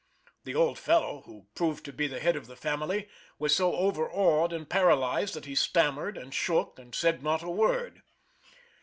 The old fellow, who proved to be the head of the family, was so overawed and paralysed that he stammered, and shook, and said not a word.